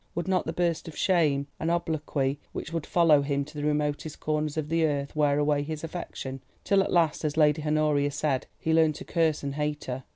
Would not the burst of shame and obloquy which would follow him to the remotest corners of the earth wear away his affection, till at last, as Lady Honoria said, he learned to curse and hate her.